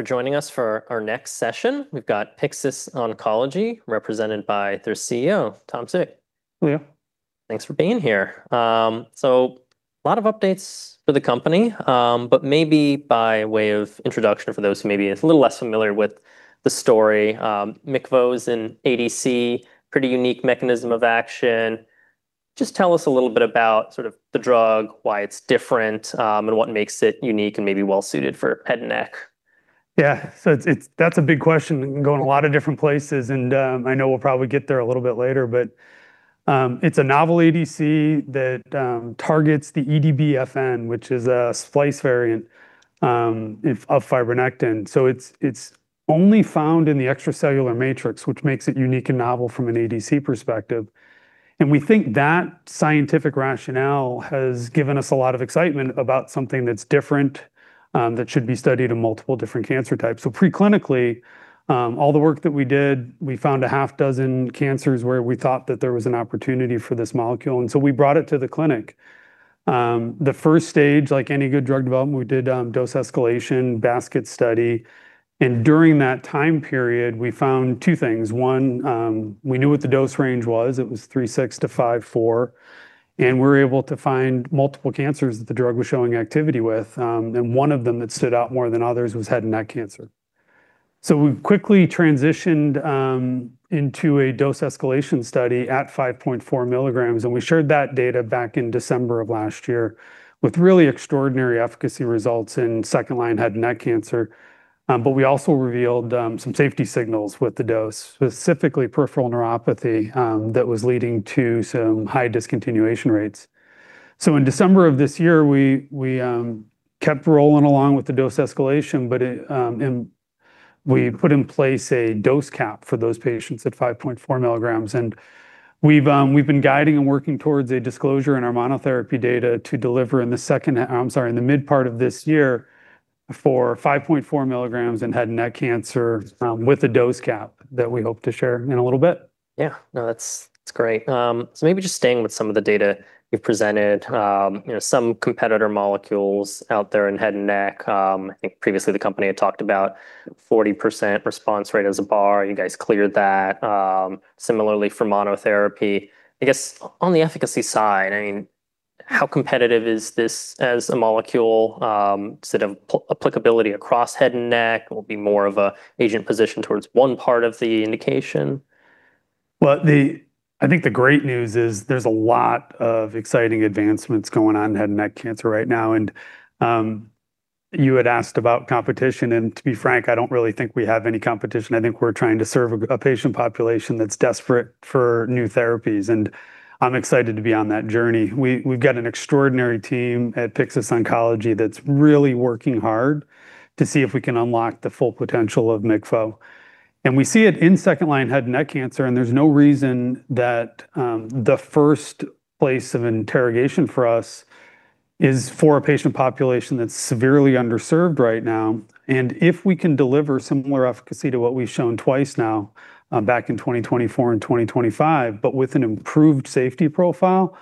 For joining us for our next session. We've got Pyxis Oncology represented by their CEO, Thomas Civik. Leo. Thanks for being here. Lot of updates for the company, but maybe by way of introduction for those who may be a little less familiar with the story, MICVO's an ADC, pretty unique mechanism of action. Tell us a little bit about sort of the drug, why it's different, and what makes it unique and maybe well-suited for head and neck? Yeah. It's That's a big question. It can go in a lot of different places, and I know we'll probably get there a little bit later. It's a novel ADC that targets the EDB-FN, which is a splice variant of fibronectin. It's only found in the extracellular matrix, which makes it unique and novel from an ADC perspective. We think that scientific rationale has given us a lot of excitement about something that's different that should be studied in multiple different cancer types. Preclinically, all the work that we did, we found a half dozen cancers where we thought that there was an opportunity for this molecule, and so we brought it to the clinic. The first stage, like any good drug development, we did dose escalation, basket study. During that time period, we found two things. One, we knew what the dose range was. It was 3.6 mg-5.4 mg, and we were able to find multiple cancers that the drug was showing activity with. One of them that stood out more than others was head and neck cancer. We quickly transitioned into a dose escalation study at 5.4 mg, and we shared that data back in December of last year with really extraordinary efficacy results in second line head and neck cancer. We also revealed some safety signals with the dose, specifically peripheral neuropathy, that was leading to some high discontinuation rates. In December of this year, we kept rolling along with the dose escalation, but we put in place a dose cap for those patients at 5.4 mg. We've been guiding and working towards a disclosure in our monotherapy data to deliver in the second I'm sorry, in the mid part of this year for 5.4 mg in head and neck cancer, with a dose cap that we hope to share in a little bit. Yeah. No, that's great. Maybe just staying with some of the data you've presented. You know, some competitor molecules out there in head and neck, I think previously the company had talked about 40% response rate as a bar. You guys cleared that. Similarly for monotherapy, I guess on the efficacy side, I mean, how competitive is this as a molecule? Is it applicability across head and neck or will be more of a agent position towards one part of the indication? Well, I think the great news is there's a lot of exciting advancements going on in head and neck cancer right now. You had asked about competition, and to be frank, I don't really think we have any competition. I think we're trying to serve a patient population that's desperate for new therapies, and I'm excited to be on that journey. We've got an extraordinary team at Pyxis Oncology that's really working hard to see if we can unlock the full potential of MICVO. We see it in second line head and neck cancer, and there's no reason that the first place of interrogation for us is for a patient population that's severely underserved right now. If we can deliver similar efficacy to what we've shown twice now, back in 2024 and 2025, but with an improved safety profile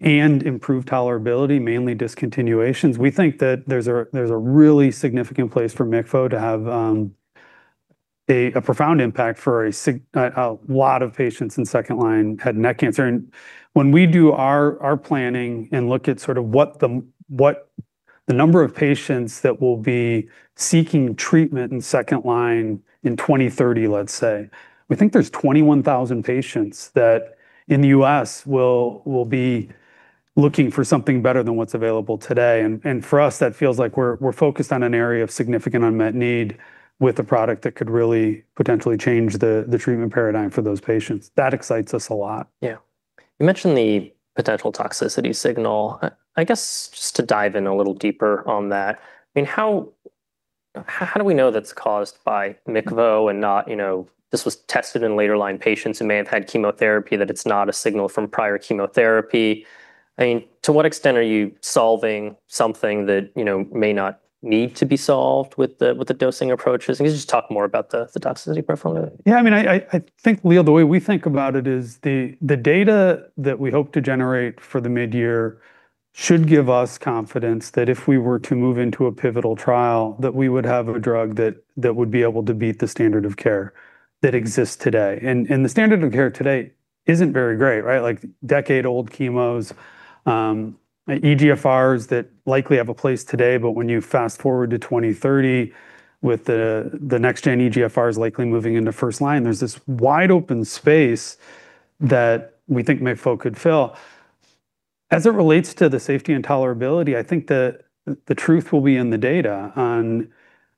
and improved tolerability, mainly discontinuations, we think that there's a really significant place for MICVO to have a profound impact for a lot of patients in second line head and neck cancer. When we do our planning and look at sort of what the number of patients that will be seeking treatment in second line in 2030, let's say, we think there's 21,000 patients that in the U.S. will be looking for something better than what's available today. For us, that feels like we're focused on an area of significant unmet need with a product that could really potentially change the treatment paradigm for those patients. That excites us a lot. You mentioned the potential toxicity signal. I guess just to dive in a little deeper on that, I mean, how do we know that's caused by MICVO and not, you know, this was tested in later line patients who may have had chemotherapy, that it's not a signal from prior chemotherapy? I mean, to what extent are you solving something that, you know, may not need to be solved with the dosing approaches? Can you just talk more about the toxicity profile? I mean, I think, Leo, the way we think about it is the data that we hope to generate for the mid-year should give us confidence that if we were to move into a pivotal trial, that we would have a drug that would be able to beat the standard of care that exists today. The standard of care today isn't very great, right? Like decade-old chemos, EGFR that likely have a place today, when you fast forward to 2030 with the next gen EGFR likely moving into first line, there's this wide open space that we think MICVO could fill. As it relates to the safety and tolerability, I think the truth will be in the data on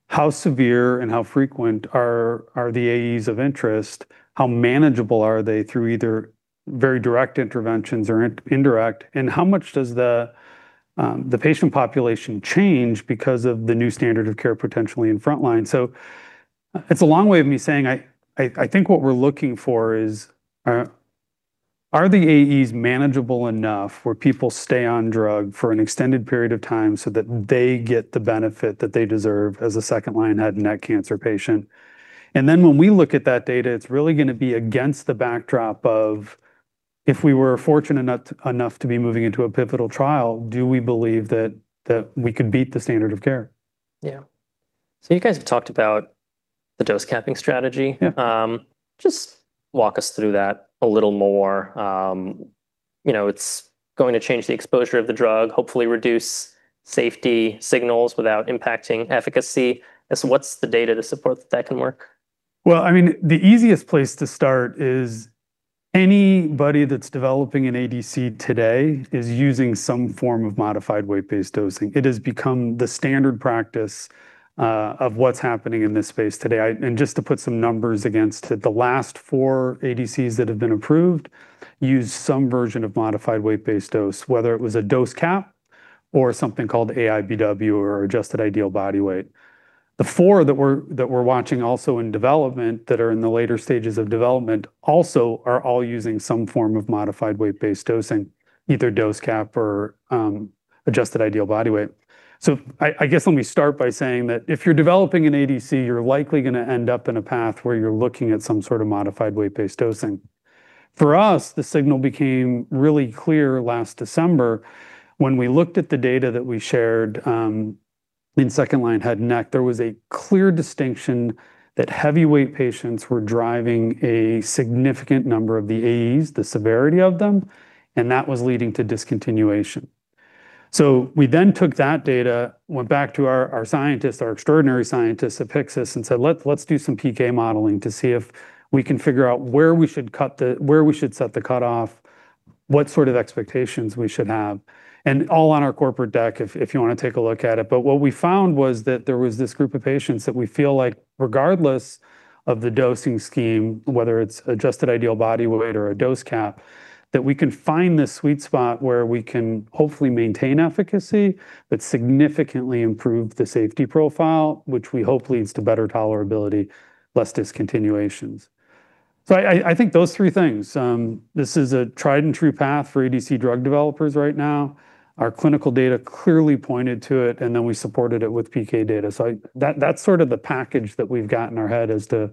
how severe and how frequent are the AEs of interest, how manageable are they through either very direct interventions or indirect, and how much does the patient population change because of the new standard of care potentially in frontline. It's a long way of me saying I think what we're looking for is, are the AEs manageable enough where people stay on drug for an extended period of time so that they get the benefit that they deserve as a second-line head and neck cancer patient? When we look at that data, it's really gonna be against the backdrop If we were fortunate enough to be moving into a pivotal trial, do we believe that we could beat the standard of care? Yeah. You guys have talked about the dose capping strategy. Yeah. Just walk us through that a little more. You know, it's going to change the exposure of the drug, hopefully reduce safety signals without impacting efficacy. What's the data to support that can work? Well, I mean, the easiest place to start is anybody that's developing an ADC today is using some form of modified weight-based dosing. It has become the standard practice of what's happening in this space today. Just to put some numbers against it, the last four ADCs that have been approved use some version of modified weight-based dose, whether it was a dose cap or something called AIBW or adjusted ideal body weight. The four that we're watching also in development that are in the later stages of development also are all using some form of modified weight-based dosing, either dose cap or adjusted ideal body weight. I guess, let me start by saying that if you're developing an ADC, you're likely gonna end up in a path where you're looking at some sort of modified weight-based dosing. For us, the signal became really clear last December when we looked at the data that we shared in second-line head and neck. There was a clear distinction that heavyweight patients were driving a significant number of the AEs, the severity of them, and that was leading to discontinuation. We then took that data, went back to our scientists, our extraordinary scientists at Pyxis, and said, "Let's do some PK modeling to see if we can figure out where we should set the cutoff, what sort of expectations we should have." All on our corporate deck if you wanna take a look at it. What we found was that there was this group of patients that we feel like regardless of the dosing scheme, whether it's adjusted ideal body weight or a dose cap, that we can find this sweet spot where we can hopefully maintain efficacy but significantly improve the safety profile, which we hope leads to better tolerability, less discontinuations. I think those three things, this is a tried and true path for ADC drug developers right now. Our clinical data clearly pointed to it, and then we supported it with PK data. That's sort of the package that we've got in our head is to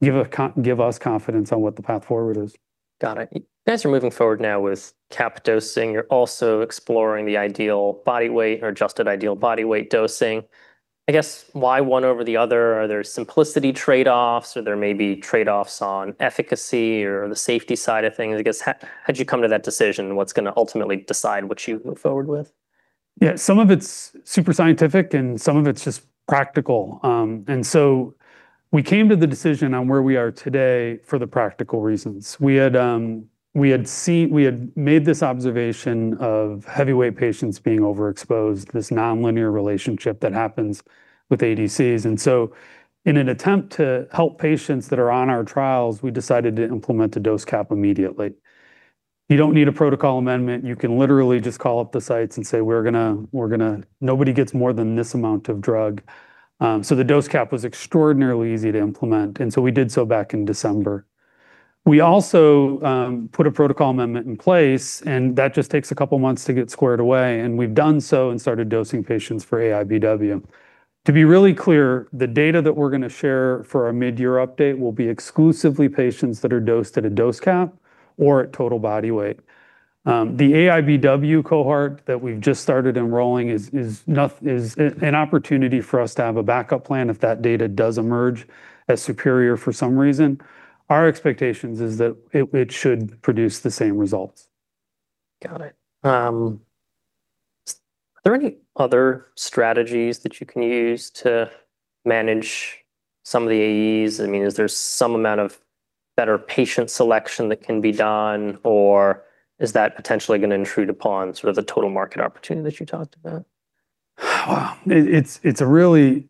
give us confidence on what the path forward is. Got it. As you're moving forward now with cap dosing, you're also exploring the ideal body weight or adjusted ideal body weight dosing. I guess why one over the other? Are there simplicity trade-offs or there may be trade-offs on efficacy or the safety side of things? I guess how'd you come to that decision? What's gonna ultimately decide what you move forward with? Yeah, some of it's super scientific, and some of it's just practical. We came to the decision on where we are today for the practical reasons. We had made this observation of heavyweight patients being overexposed, this nonlinear relationship that happens with ADCs. In an attempt to help patients that are on our trials, we decided to implement a dose cap immediately. You don't need a protocol amendment. You can literally just call up the sites and say, "We're gonna Nobody gets more than this amount of drug." The dose cap was extraordinarily easy to implement, we did so back in December. We also put a protocol amendment in place, and that just takes a couple of months to get squared away, and we've done so and started dosing patients for AIBW. To be really clear, the data that we're gonna share for our midyear update will be exclusively patients that are dosed at a dose cap or at total body weight. The AIBW cohort that we've just started enrolling is an opportunity for us to have a backup plan if that data does emerge as superior for some reason. Our expectations is that it should produce the same results. Got it. Are there any other strategies that you can use to manage some of the AEs? I mean, is there some amount of better patient selection that can be done, or is that potentially gonna intrude upon sort of the total market opportunity that you talked about? Wow. It's a really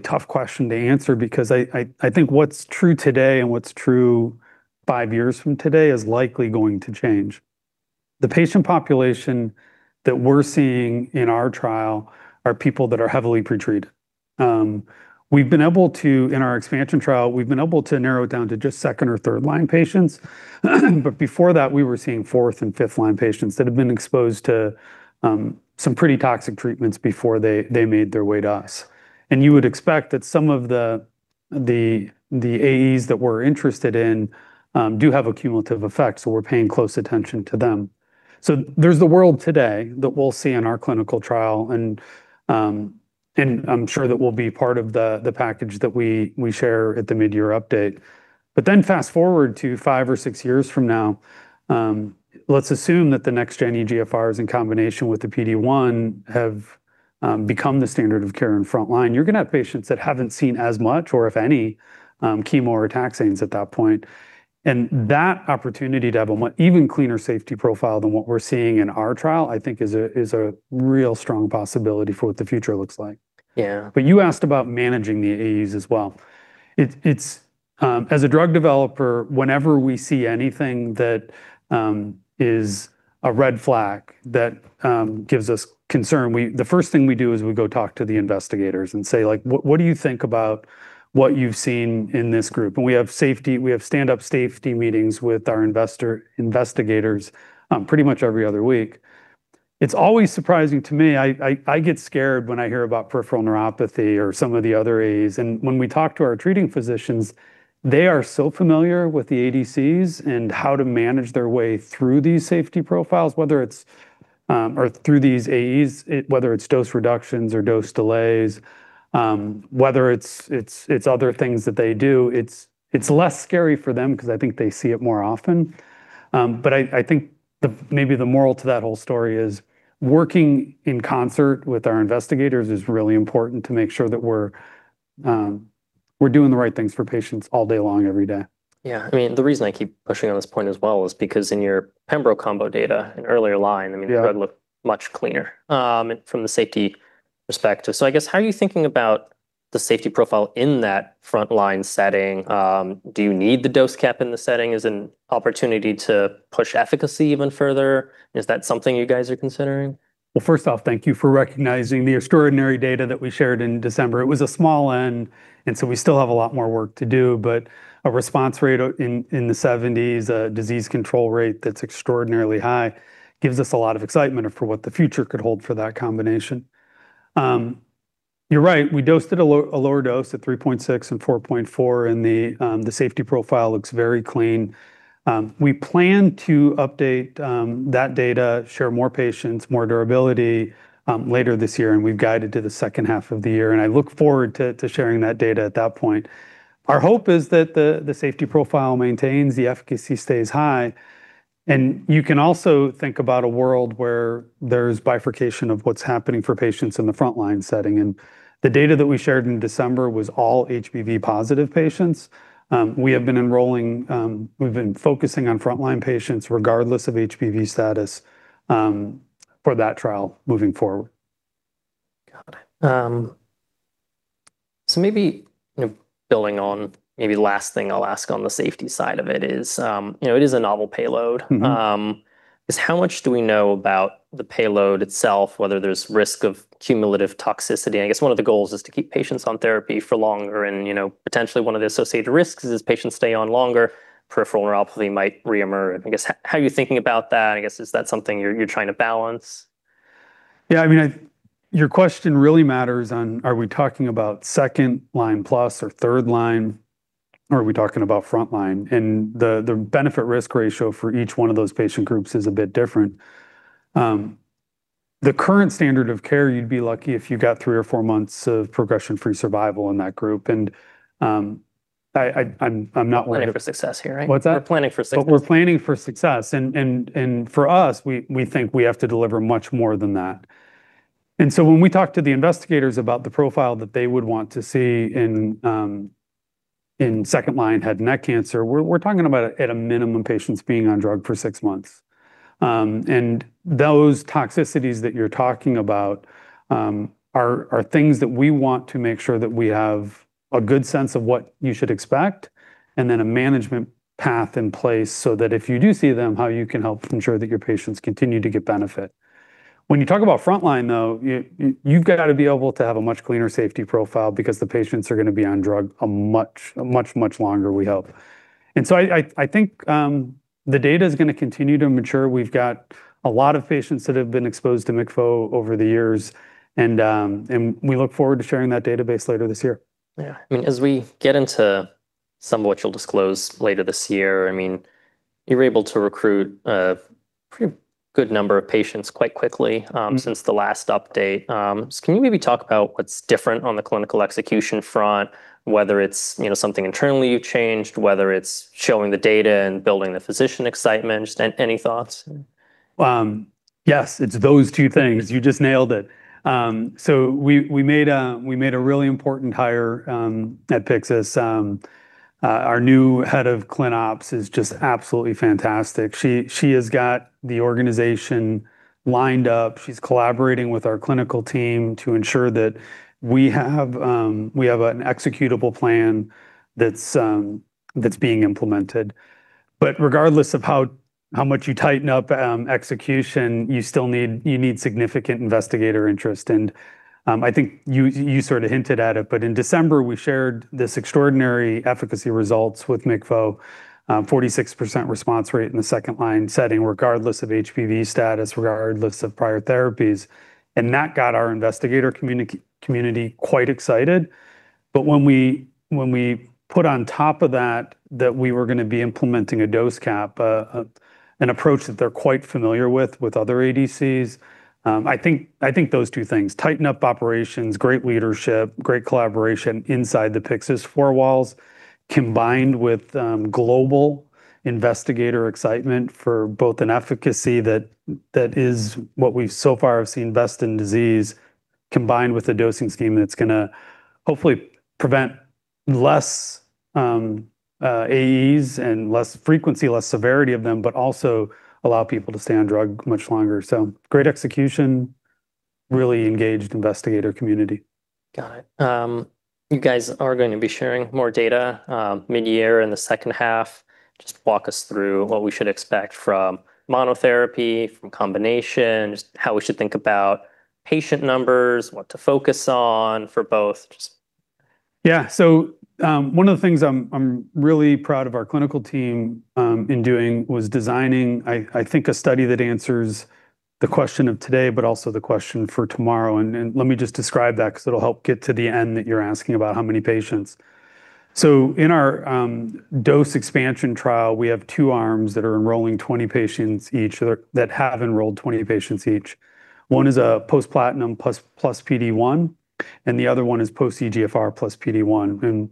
tough question to answer because I think what's true today and what's true five years from today is likely going to change. The patient population that we're seeing in our trial are people that are heavily pretreated. We've been able to in our expansion trial, we've been able to narrow it down to just second or third-line patients. Before that, we were seeing fourth and fifth-line patients that have been exposed to some pretty toxic treatments before they made their way to us. You would expect that some of the AEs that we're interested in do have a cumulative effect, so we're paying close attention to them. There's the world today that we'll see in our clinical trial, and I'm sure that we'll be part of the package that we share at the midyear update. Fast-forward to five or six years from now. Let's assume that the next-gen EGFR in combination with the PD-1 have become the standard of care in frontline. You're gonna have patients that haven't seen as much or if any, chemo or taxanes at that point. That opportunity to have even cleaner safety profile than what we're seeing in our trial, I think is a real strong possibility for what the future looks like. Yeah. You asked about managing the AEs as well. It's as a drug developer, whenever we see anything that is a red flag that gives us concern, the first thing we do is we go talk to the investigators and say, like, "What, what do you think about what you've seen in this group?" We have standup safety meetings with our investigators pretty much every other week. It's always surprising to me. I get scared when I hear about peripheral neuropathy or some of the other AEs. When we talk to our treating physicians, they are so familiar with the ADCs and how to manage their way through these safety profiles, whether it's dose reductions or dose delays, whether it's other things that they do. It's less scary for them 'cause I think they see it more often. I think maybe the moral to that whole story is working in concert with our investigators is really important to make sure that we're doing the right things for patients all day long every day. Yeah. I mean, the reason I keep pushing on this point as well is because in your pembrolizumab combo data. Yeah I mean, the drug looked much cleaner, from the safety perspective. I guess, how are you thinking about the safety profile in that frontline setting? Do you need the dose cap in the setting? Is an opportunity to push efficacy even further? Is that something you guys are considering? First off, thank you for recognizing the extraordinary data that we shared in December. It was a small end, we still have a lot more work to do. A response rate in the 70s, a disease control rate that's extraordinarily high gives us a lot of excitement for what the future could hold for that combination. You're right, we dosed at a lower dose at 3.6 mg and 4.4 mg, and the safety profile looks very clean. We plan to update that data, share more patients, more durability later this year, we've guided to the second half of the year. I look forward to sharing that data at that point. Our hope is that the safety profile maintains, the efficacy stays high. You can also think about a world where there's bifurcation of what's happening for patients in the frontline setting. The data that we shared in December was all HPV-positive patients. We have been enrolling, we've been focusing on frontline patients regardless of HPV status, for that trial moving forward. Got it. maybe, you know, building on maybe last thing I'll ask on the safety side of it is, you know, it is a novel payload. How much do we know about the payload itself, whether there's risk of cumulative toxicity? I guess one of the goals is to keep patients on therapy for longer and, you know, potentially one of the associated risks is as patients stay on longer, peripheral neuropathy might reemerge. I guess, how are you thinking about that? I guess, is that something you're trying to balance? Yeah. I mean, your question really matters on are we talking about second line plus or third line, or are we talking about frontline? The benefit risk ratio for each one of those patient groups is a bit different. The current standard of care, you'd be lucky if you got three or four months of progression-free survival in that group. We're planning for success here, right? What's that? We're planning for success. We're planning for success. For us, we think we have to deliver much more than that. When we talk to the investigators about the profile that they would want to see in second-line head and neck cancer, we're talking about at a minimum patients being on drug for six months. Those toxicities that you're talking about are things that we want to make sure that we have a good sense of what you should expect and then a management path in place so that if you do see them, how you can help ensure that your patients continue to get benefit. When you talk about frontline, though, you've gotta be able to have a much cleaner safety profile because the patients are gonna be on drug a much longer, we hope. I think the data is gonna continue to mature. We've got a lot of patients that have been exposed to MICVO over the years, and we look forward to sharing that database later this year. Yeah. I mean, as we get into some of what you'll disclose later this year, I mean, you were able to recruit a pretty good number of patients quite quickly. Since the last update. Can you maybe talk about what's different on the clinical execution front, whether it's, you know, something internally you've changed, whether it's showing the data and building the physician excitement? Just any thoughts? Yes, it's those two things. You just nailed it. We made a really important hire at Pyxis. Our new head of Clinical Operations is just absolutely fantastic. She has got the organization lined up. She's collaborating with our clinical team to ensure that we have an executable plan that's being implemented. Regardless of how much you tighten up execution, you still need significant investigator interest. I think you sort of hinted at it, in December, we shared this extraordinary efficacy results with MICVO, 46% response rate in the second line setting regardless of HPV status, regardless of prior therapies. That got our investigator community quite excited. When we put on top of that that we were gonna be implementing a dose cap, an approach that they're quite familiar with with other ADCs, I think those two things, tighten up operations, great leadership, great collaboration inside the Pyxis four walls, combined with global investigator excitement for both an efficacy that is what we so far have seen best in disease, combined with a dosing scheme that's gonna hopefully prevent less AEs and less frequency, less severity of them, but also allow people to stay on drug much longer. Great execution, really engaged investigator community. Got it. You guys are going to be sharing more data mid-year in the second half. Just walk us through what we should expect from monotherapy, from combination, just how we should think about patient numbers, what to focus on for both. One of the things I'm really proud of our clinical team in doing was designing, I think, a study that answers the question of today, but also the question for tomorrow. Let me just describe that 'cause it'll help get to the end that you're asking about how many patients. In our dose expansion trial, we have two arms that are enrolling 20 patients each, or that have enrolled 20 patients each. One is a post platinum plus PD-1, and the other one is post EGFR plus PD-1.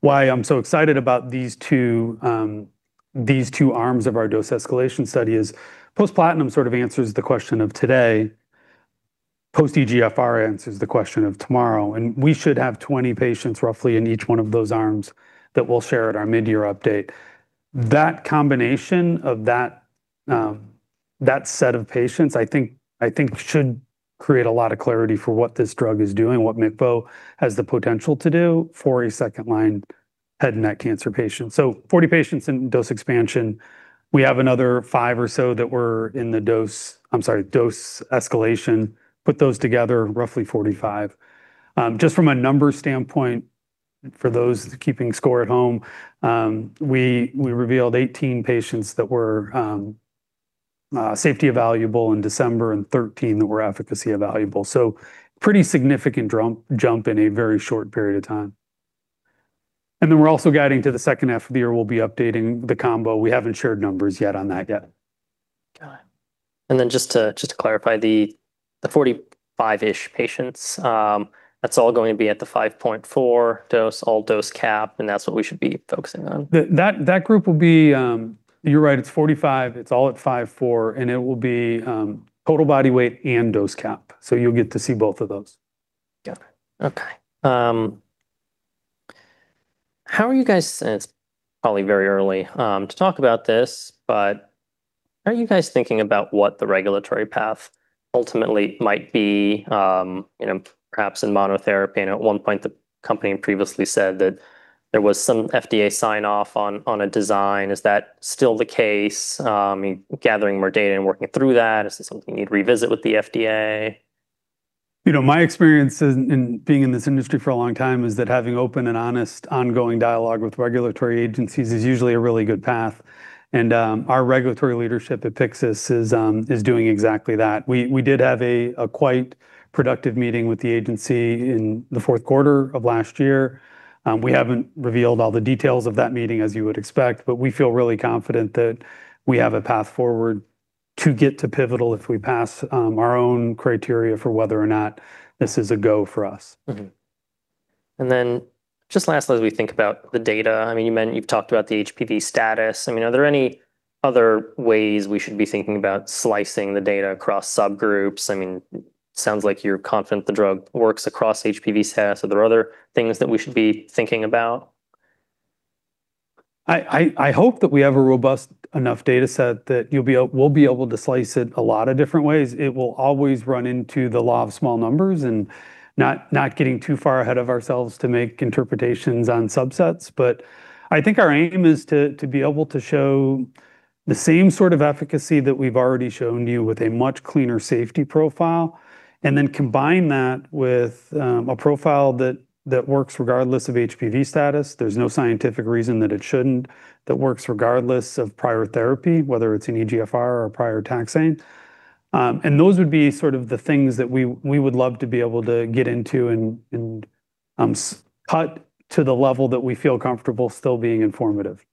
Why I'm so excited about these two arms of our dose escalation study is post platinum sort of answers the question of today, post EGFR answers the question of tomorrow. We should have 20 patients roughly in each one of those arms that we'll share at our mid-year update. That combination of that set of patients, I think should create a lot of clarity for what this drug is doing, what MICVO has the potential to do for a second line head neck cancer patient. 40 patients in dose expansion. We have another five or so that were in the dose escalation. Put those together, roughly 45. Just from a numbers standpoint, for those keeping score at home, we revealed 18 patients that were safety evaluable in December and 13 that were efficacy evaluable, so pretty significant jump in a very short period of time. Then we're also guiding to the second half of the year, we'll be updating the combo. We haven't shared numbers yet on that yet. Got it. Then just to clarify, the 45-ish patients, that's all going to be at the 5.4 dose, all dose cap, and that's what we should be focusing on? That group will be. You're right, it's 45. It's all at 5.4 mg. It will be total body weight and dose cap. You'll get to see both of those. Got it. Okay. How are you guys It's probably very early to talk about this, but are you guys thinking about what the regulatory path ultimately might be, you know, perhaps in monotherapy? At one point, the company previously said that there was some FDA sign-off on a design. Is that still the case? I mean, gathering more data and working through that, is this something you'd revisit with the FDA? You know, my experience in being in this industry for a long time is that having open and honest ongoing dialogue with regulatory agencies is usually a really good path. Our regulatory leadership at Pyxis is doing exactly that. We did have a quite productive meeting with the agency in the fourth quarter of last year. We haven't revealed all the details of that meeting as you would expect, but we feel really confident that we have a path forward to get to pivotal if we pass our own criteria for whether or not this is a go for us. Just lastly, as we think about the data, I mean, you've talked about the HPV status. I mean, are there any other ways we should be thinking about slicing the data across subgroups? I mean, sounds like you're confident the drug works across HPV status. Are there other things that we should be thinking about? I hope that we have a robust enough data set that you'll be we'll be able to slice it a lot of different ways. It will always run into the law of small numbers and not getting too far ahead of ourselves to make interpretations on subsets. I think our aim is to be able to show the same sort of efficacy that we've already shown you with a much cleaner safety profile, and then combine that with a profile that works regardless of HPV status. There's no scientific reason that it shouldn't, that works regardless of prior therapy, whether it's an EGFR or a prior taxane. Those would be sort of the things that we would love to be able to get into and cut to the level that we feel comfortable still being informative.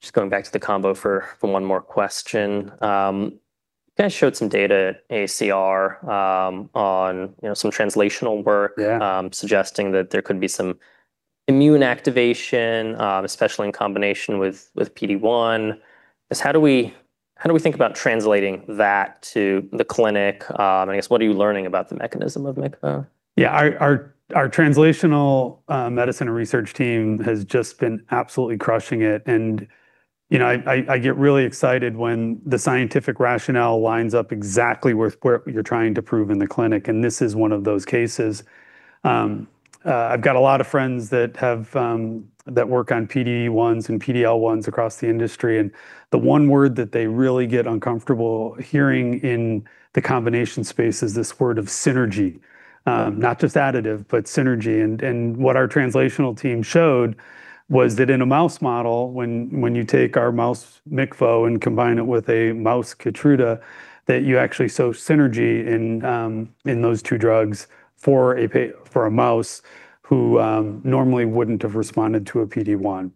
Just going back to the combo for one more question. You guys showed some data at AACR on, you know, some translational work. Yeah Suggesting that there could be some immune activation, especially in combination with PD-1. How do we think about translating that to the clinic? I guess, what are you learning about the mechanism of MICVO? Our translational medicine and research team has just been absolutely crushing it, you know, I get really excited when the scientific rationale lines up exactly with what you're trying to prove in the clinic. This is one of those cases. I've got a lot of friends that have that work on PD-1s and PD-L1s across the industry, the one word that they really get uncomfortable hearing in the combination space is this word of synergy. Not just additive, but synergy. What our translational team showed was that in a mouse model, when you take our mouse MICVO and combine it with a mouse KEYTRUDA, that you actually sow synergy in those two drugs for a mouse who normally wouldn't have responded to a PD-1.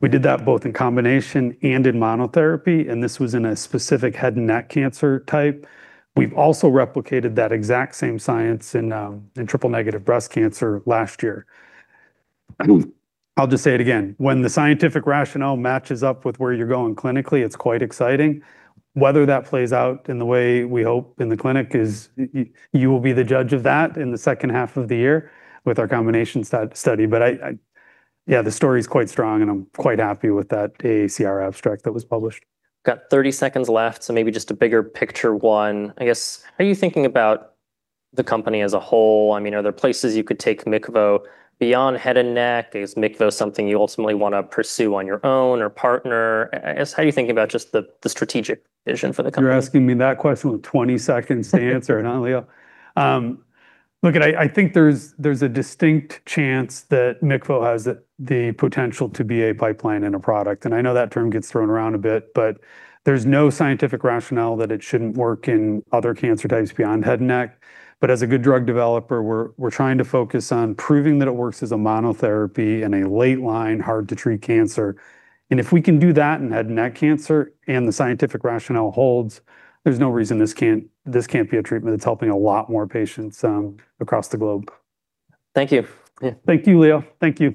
We did that both in combination and in monotherapy, and this was in a specific head and neck cancer type. We've also replicated that exact same science in triple negative breast cancer last year. I'll just say it again. When the scientific rationale matches up with where you're going clinically, it's quite exciting. Whether that plays out in the way we hope in the clinic is you will be the judge of that in the second half of the year with our combination study. I Yeah, the story's quite strong, and I'm quite happy with that AACR abstract that was published. Got 30 seconds left, maybe just a bigger picture one. I guess, how are you thinking about the company as a whole? I mean, are there places you could take MICVO beyond head and neck? I guess, MICVO's something you ultimately wanna pursue on your own or partner. I guess, how are you thinking about just the strategic vision for the company? You're asking me that question with 20 seconds to answer it, huh, Leo? Look, I think there's a distinct chance that MICVO has the potential to be a pipeline and a product. I know that term gets thrown around a bit, but there's no scientific rationale that it shouldn't work in other cancer types beyond head and neck. As a good drug developer, we're trying to focus on proving that it works as a monotherapy in a late line, hard to treat cancer. If we can do that in head and neck cancer and the scientific rationale holds, there's no reason this can't be a treatment that's helping a lot more patients across the globe. Thank you. Yeah. Thank you, Leo. Thank you.